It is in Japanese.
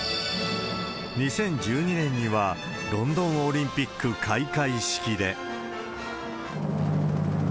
２０１２年には、ロンドンオリンピック開会式で。